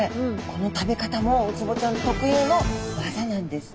この食べ方もウツボちゃん特有のわざなんです。